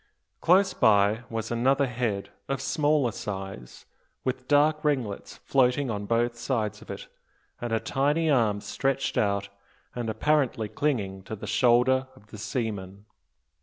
Close by was another head, of smaller size, with dark ringlets floating on both sides of it, and a tiny arm stretched out and apparently clinging to the shoulder of the seaman.